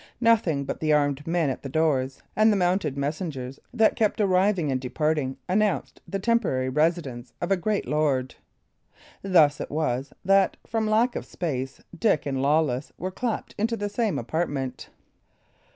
Nothing but the armed men at the doors, and the mounted messengers that kept arriving and departing, announced the temporary residence of a great lord. Thus it was that, from lack of space, Dick and Lawless were clapped into the same apartment.